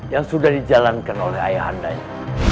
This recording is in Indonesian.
yang sudah dijalankan oleh ayahandanya